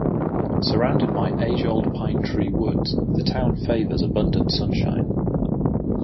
Surrounded by age-old pine tree woods, the town favors abundant sunshine.